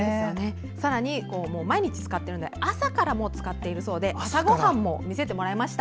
さらに毎日使っているので朝からも使っているそうで朝ごはんも見せてもらいました。